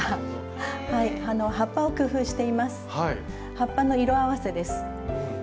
葉っぱの色合わせです。